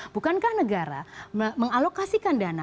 bukankah negara mengalokasikan dana